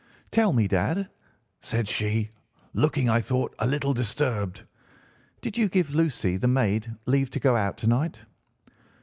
"'Tell me, dad,' said she, looking, I thought, a little disturbed, 'did you give Lucy, the maid, leave to go out to night?